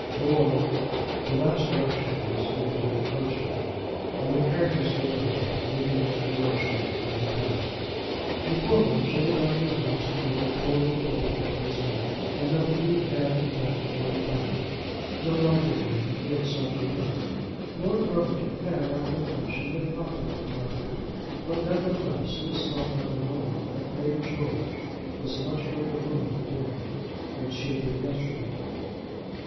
Go on." The last direction was given to the coachman, and the carriage was driven off, leaving Mr. Groschut on the path. Before lunch everybody in the house knew that poor little Popenjoy was dead, and that the Dean had, in fact, won the battle, though not in the way that he had sought to win it. Lord Brotherton had, after a fashion, been popular at Rudham, but, nevertheless, it was felt by them all that Lady George was a much greater woman to day than she had been yesterday.